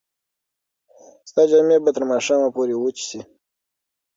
ستا جامې به تر ماښامه پورې وچې شي.